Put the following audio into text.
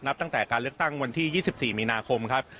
นับตั้งแต่การเลือกตั้งวันที่ยี่สิบสี่มีนาคมครับ